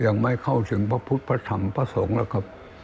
ยังไม่เข้าถึงพระพุทธพระธรรมพระสงฆ์หรอกครับ